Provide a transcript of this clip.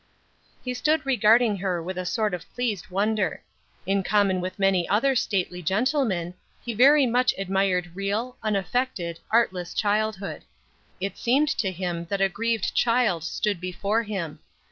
He stood regarding her with a sort of pleased wonder. In common with many other stately gentlemen, he very much admired real, unaffected, artless childhood. It seemed to him that a grieved child stood before him.